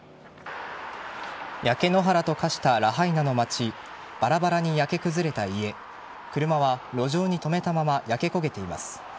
焼け野原と化したラハイナの町バラバラに焼け崩れた家車は路上に止めたまま焼け焦げています。